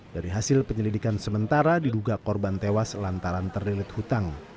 dari hasil penyelidikan sementara diduga korban tewas lantaran terlilit hutang